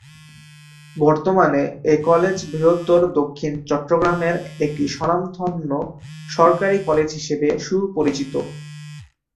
বর্তমানে এ কলেজ বৃহত্তর দক্ষিণ চট্টগ্রামের একটি স্বনামধন্য সরকারি কলেজ হিসেবে সুপরিচিত।